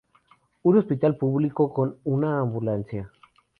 Un hospital público con una ambulancia.